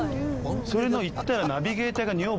それの行ったら。